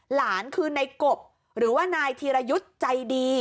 หลานคือนายกบหรือว่านายธีรยุทธ์ใจดี